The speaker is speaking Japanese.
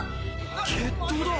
決闘だ。